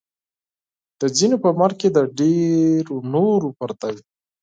د ځینو په مرګ کې د ډېرو نورو پرده وي.